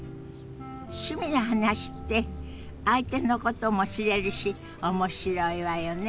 趣味の話って相手のことも知れるし面白いわよね。